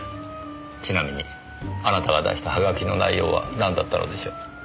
ちなみにあなたが出した葉書の内容は何だったのでしょう？